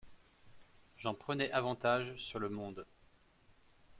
J'en prenais avantage sur le monde.